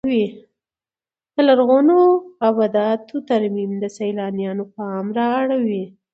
د لرغونو ابداتو ترمیم د سیلانیانو پام را اړوي.